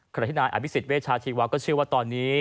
ขณะที่นายอภิษฎเวชาชีวะก็เชื่อว่าตอนนี้